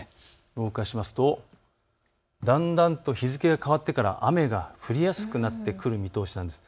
動かしますとだんだんと日付が変わってから雨が降りやすくなってくる見通しです。